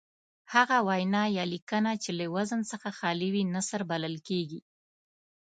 هغه وینا یا لیکنه چې له وزن څخه خالي وي نثر بلل کیږي.